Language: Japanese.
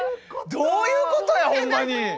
どういうことやほんまに。